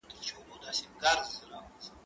که وخت وي، اوبه ورکوم،